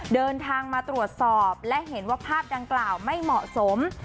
เดินทางมาตรวจสอบและเห็นว่าภาพดังกล่าวไม่เหมาะสม